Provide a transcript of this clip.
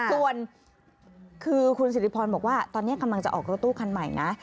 ส่วนคือคุณสิริพรบอกว่าตอนนี้กำลังจะออกรถตู้คันใหม่นะ